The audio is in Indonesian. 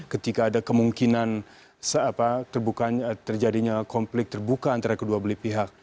ketika ada kemungkinan terjadinya konflik terbuka antara kedua belah pihak